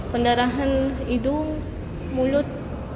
pendarahan hidung mulut